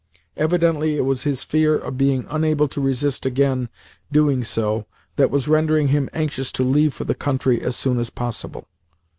Evidently, it was his fear of being unable to resist again doing so that was rendering him anxious to leave for the country as soon as possible.